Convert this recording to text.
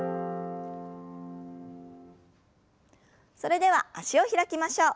それでは脚を開きましょう。